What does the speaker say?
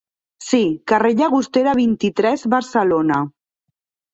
Sí, carrer Llagostera vint-i-tres, Barcelona.